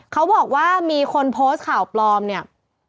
เขาบอกว่ามีคนโพสต์ข่าวปลอมเนี่ย